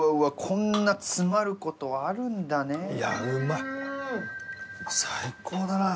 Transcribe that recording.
こんな詰まることあるんだね。